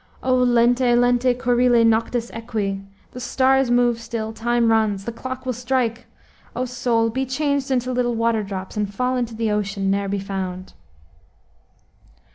"O lente, lente currile, noctis equi! The stars move still, time runs, the clock will strike. O soul, be changed into little water drops, And fall into the ocean, ne'er be found!"